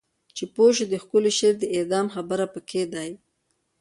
چې پوه شو د ښکلی شعر د اعدام خبر پکې دی